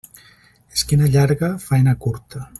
Esquena llarga, faena curta.